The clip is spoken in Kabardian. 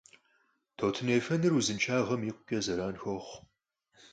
Тутын ефэныр узыншагъэм икъукӀэ зэран хуохъу.